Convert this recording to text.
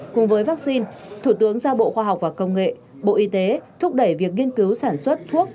cùng với vaccine thủ tướng giao bộ khoa học và công nghệ bộ y tế thúc đẩy việc nghiên cứu sản xuất thuốc